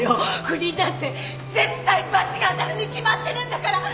不倫なんて絶対罰が当たるに決まってるんだから！